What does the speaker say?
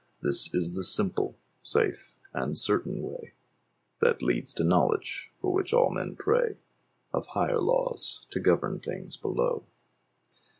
This is the simple, safe, and certain way That leads to knowledge for which all men pray Of higher laws to govern things below.